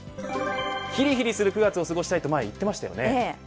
ヒリヒリする９月を過ごしたいと言っていましたよね。